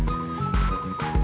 belum ada kabar